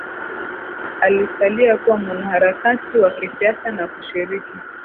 Alisalia kuwa mwanaharakati wa kisiasa na kushiriki